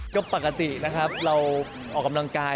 ก็ปกตินะครับเราออกกำลังกาย